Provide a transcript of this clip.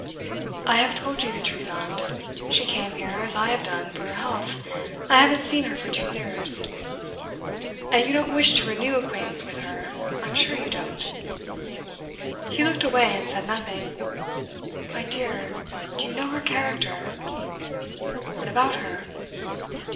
'I have told you the truth, aunt. She came here, as I have done, for her health. I haven't seen her for two years.' 'And you don't wish to renew acquaintance with her, I'm sure you don't.' He looked away, and said nothing. 'My dear, do you know her character?' 'What about her?